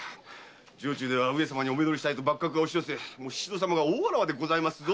城中では上様にお目通りしたい幕閣が押し寄せ宍戸様が大わらわですぞ。